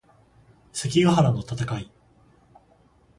関ヶ原の戦い